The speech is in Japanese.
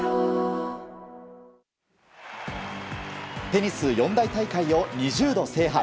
テニス四大大会を２０度制覇。